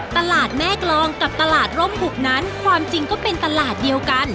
ตลาดแม่กรองกับตลาดร่มบุกนั้นความจริงก็เป็นตลาดเดียวกัน